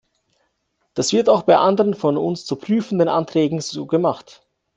Das wird auch bei anderen von uns zu prüfenden Anträgen so gemacht.